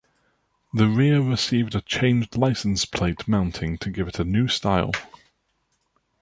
The rear received a changed license plate mounting to give it a new style.